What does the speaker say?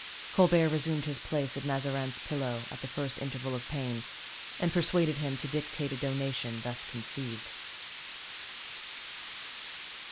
Colbert resumed his place at Mazarin's pillow at the first interval of pain, and persuaded him to dictate a donation thus conceived.